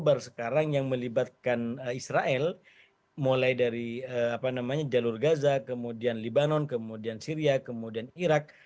baru sekarang yang melibatkan israel mulai dari jalur gaza kemudian libanon kemudian syria kemudian irak